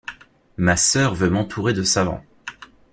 Ma sœur veut m’entourer de savants!